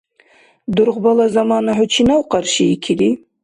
Дургъбала замана хӀу чинав къаршиикири?